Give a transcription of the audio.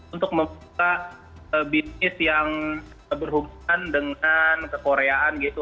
untuk membuka bisnis yang berhubungan dengan kekoreaan gitu